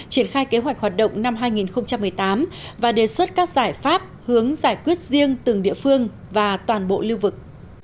triển khai kế hoạch hoạt động năm hai nghìn một mươi tám và đề xuất các giải pháp hướng giải quyết riêng từng địa phương và toàn bộ lưu vực